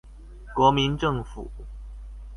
國民政府